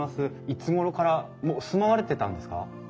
いつごろからもう住まわれてたんですか？